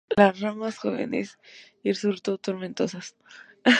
Las ramas jóvenes hirsuto tomentosas.